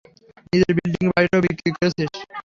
নিজের বিল্ডিং বাড়িটাও বিক্রি করেছিস।